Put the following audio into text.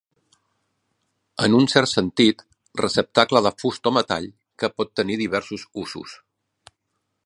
En un cert sentit, receptacle de fusta o metall que pot tenir diversos usos.